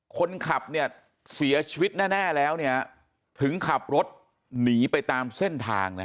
คนขับเนี่ยเสียชีวิตแน่แล้วเนี่ยถึงขับรถหนีไปตามเส้นทางนะ